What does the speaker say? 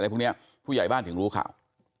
พวกนี้ผู้ใหญ่บ้านถึงรู้ข่าว